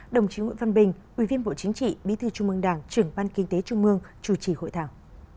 đồng chí nguyễn văn bình ubnd bí thư trung mương đảng trưởng ban kinh tế trung mương chủ trì hội thảo